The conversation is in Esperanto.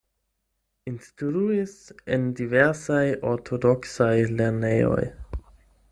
Instruis en diversaj ortodoksaj lernejoj.